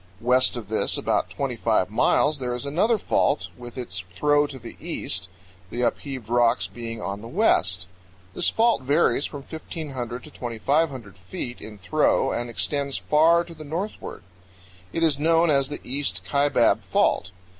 West of this about twenty five miles, there is another fault with its throw to the east, the upheaved rocks being on the west. This fault varies from 1,500 to 2,500 feet in throw, and extends far to the northward. It is known as the East Kaibab Fault.